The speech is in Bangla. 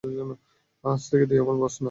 আজ থেকে তুই আমার বস না।